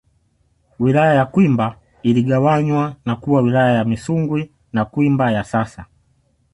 Wilaya ya Kwimba iligawanywa na kuwa Wilaya ya Misungwi na Kwimba ya sasa